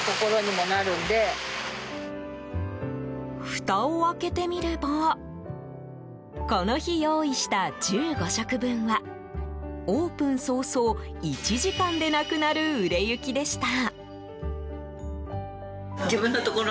ふたを開けてみればこの日用意した１５食分はオープン早々、１時間でなくなる売れ行きでした。